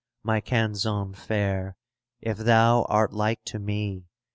^ My Canzon' fair, if thou art like to me.